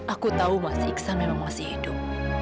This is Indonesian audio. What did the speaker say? aku tahu mas iksan memang masih hidup